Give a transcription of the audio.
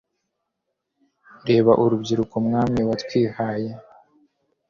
reba urubyiruko mwami watwihaye